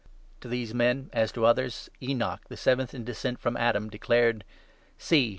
To these men, as to others, Enoch, the seventh in descent 14 from Adam, declared —' See !